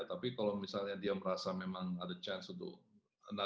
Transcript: tapi kalau misalnya dia merasa memang ada chance untuk